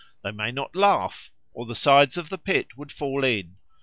They may not laugh, or the sides of the pit would fall in.